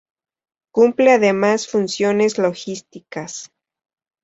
Cumple además funciones logísticas.